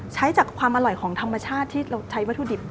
ใช้จากความอร่อยของธรรมชาติที่เราใช้วัตถุดิบ